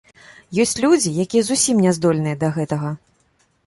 Ёсць людзі, якія зусім не здольныя да гэтага.